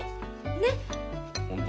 ねっ。